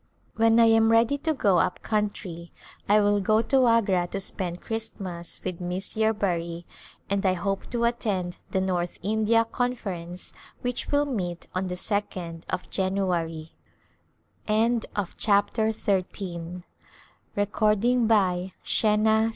When I am ready to go up country I will go to Agra to spend Christmas with Miss Yer bury, and I hope to attend the North India Conference which will meet on the 2d of Januar}^ XIV Return to Khetri Khetri^ Jan.